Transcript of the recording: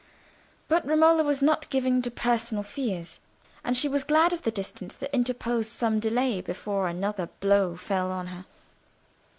But Romola was not given to personal fears, and she was glad of the distance that interposed some delay before another blow fell on her.